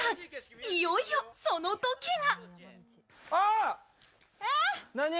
いよいよその時が！